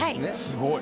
すごい。